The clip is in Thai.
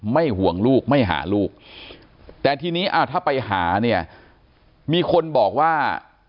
ห่วงลูกไม่หาลูกแต่ทีนี้ถ้าไปหาเนี่ยมีคนบอกว่า